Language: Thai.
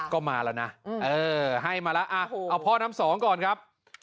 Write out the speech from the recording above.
ก็มาแล้วนะเออให้มาแล้วเอาพ่อน้ำสองก่อนครับ